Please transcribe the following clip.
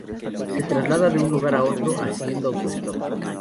Se traslada de un lugar a otro haciendo autoestop.